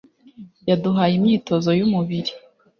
yaduhaye imyitozo y ‘umubiri